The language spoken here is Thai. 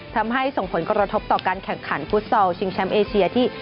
ส่งผลกระทบต่อการแข่งขันฟุตซอลชิงแชมป์เอเชียที่